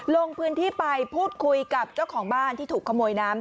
ลงพื้นที่ไปพูดคุยกับเจ้าของบ้านที่ถูกขโมยน้ำ